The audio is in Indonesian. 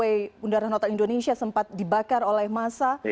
hw undara nota indonesia sempat dibakar oleh masa